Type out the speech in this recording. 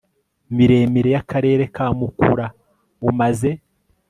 miremire y akarere ka mukura umaze